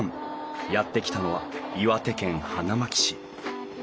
やって来たのは岩手県花巻市。